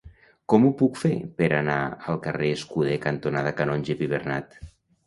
Com ho puc fer per anar al carrer Escuder cantonada Canonge Pibernat?